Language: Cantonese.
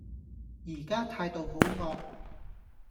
而家態度好惡